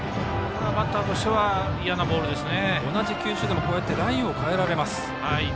バッターとしては嫌なボールですね。